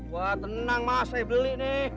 wah tenang mas saya beli nih